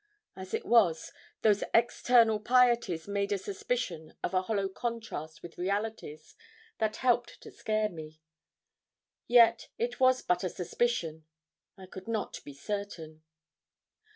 As it was, those external pieties made a suspicion of a hollow contrast with realities that helped to scare me; yet it was but a suspicion I could not be certain.